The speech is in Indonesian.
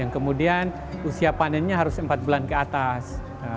kemudian usia panennya harus empat bulan ke atas